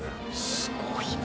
すごいな。